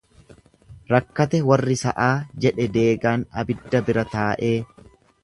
Rakkate warri sa'aa jedhe deegaan abidda bira taa'ee.